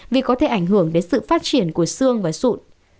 vì có thể ảnh hưởng đến sự phát triển của xương và sụn